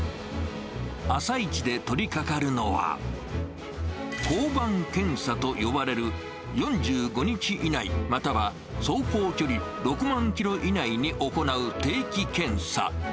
朝一で取りかかるのは、交番検査と呼ばれる、４５日以内、または走行距離６万キロ以内に行う定期検査。